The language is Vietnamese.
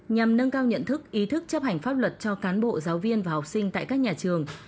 nhằm nâng cao nhận thức ý thức chấp hành pháp luật cho cán bộ giáo viên và học sinh tại các nhà trường